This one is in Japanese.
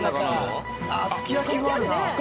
すき焼きもあるな。